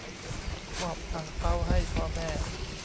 มอบอั่งเปาให้พ่อแม่